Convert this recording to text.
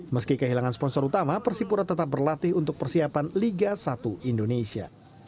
meski kehilangan sponsor utama persipura tetap berlatih untuk persiapan liga satu indonesia